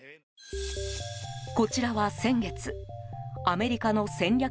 こちらは先月、アメリカの戦略